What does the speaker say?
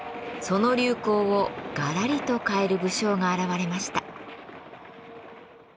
その流行をガラリと変える武将が現れました。